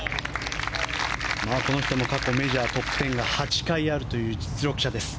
この人も過去メジャートップ１０が８回あるという実力者です。